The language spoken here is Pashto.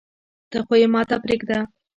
ته خو يي ماته پریږده